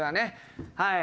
はい。